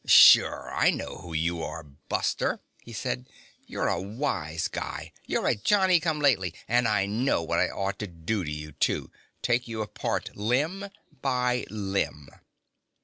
"Sure I know who you are, buster," he said. "You're a wise guy. You're a Johnny come lately. And I know what I ought to do with you, too take you apart, limb by limb!"